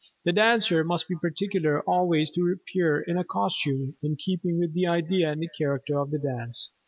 The dancer must be particular always to appear in a costume in keeping with the idea and character of the dance.